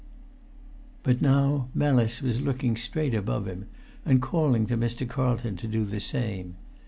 But now Mellis was looking straight above him, and calling to Mr. Carlton to do the same.